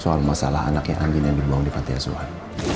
soal masalah anak yang angin yang dibuang di pantai asuhan